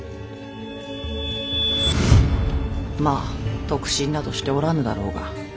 まぁ得心などしておらぬだろうが。